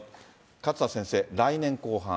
勝田先生、来年後半。